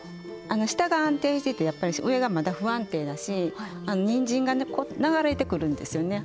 あの下が安定しててやっぱり上がまだ不安定だしにんじんがこう流れてくるんですよね